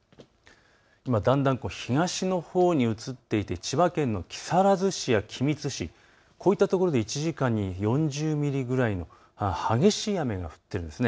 今だんだんと東のほうに移っていて千葉県の木更津市や君津市、こういったところで１時間に４０ミリぐらいの激しい雨が降っているんです。